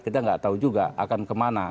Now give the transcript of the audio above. kita nggak tahu juga akan kemana